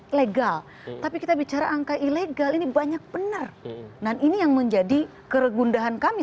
ilegal tapi kita bicara angka ilegal ini banyak benar dan ini yang menjadi keregundahan kami